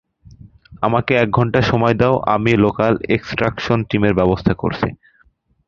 আমাকে এক ঘন্টা সময় দাও আমি লোকাল এক্সট্রাকশন টিমের ব্যবস্থা করছি।